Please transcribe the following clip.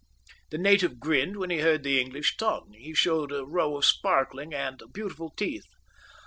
The native grinned when he heard the English tongue. He showed a row of sparkling and beautiful teeth.